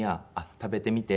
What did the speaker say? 食べてみて。